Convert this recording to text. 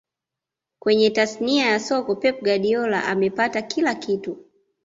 Kwenye tasnia ya soka pep guardiola amepata kila kitu